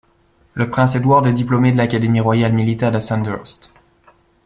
Le prince Edward est diplômé de l'Académie royale militaire de Sandhurst.